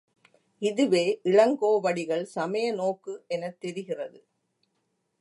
இதுவே இளங்கோவடிகள் சமய நோக்கு எனத் தெரிகிறது.